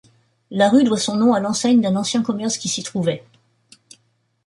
La rue doit son nom à l’enseigne d’un ancien commerce qui s’y trouvait.